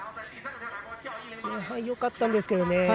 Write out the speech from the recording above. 前半よかったんですけどね。